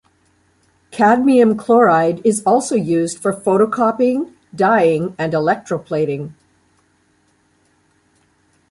Cadmium chloride is also used for photocopying, dyeing and electroplating.